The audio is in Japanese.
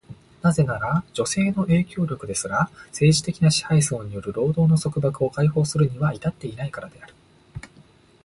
なぜなら、女性の影響力ですら、政治的な支配層による労働の束縛を解放するには至っていないからである。